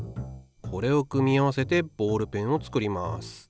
これを組み合わせてボールペンを作ります。